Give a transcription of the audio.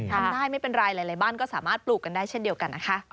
ทำได้ไม่เป็นไรหลายบ้านก็สามารถปลูกกันได้เช่นเดียวกันนะคะ